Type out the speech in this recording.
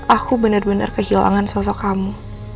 aku benar benar kehilangan sosok kamu